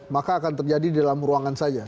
maka akan terjadi di dalam ruangan saja